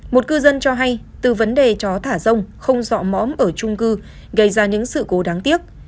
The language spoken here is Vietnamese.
một cư dân cho hay từ vấn đề chó thả rông không dọ mõm ở trung cư gây ra những sự cố đáng tiếc